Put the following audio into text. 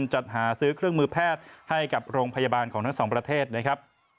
จัดหาซื้อเครื่องมือแพทย์ให้กับโรงพยาบาลของทั้งสองประเทศนะครับ